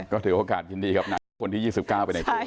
ก็ถือโอกาสยินดีครับนายคนที่๒๙ไปในชีวิต